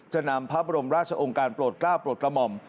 นำพระบรมราชองค์การโปรดก้าวโปรดกระหม่อม